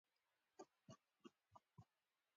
څو ځلې یې زما خواته وکتل.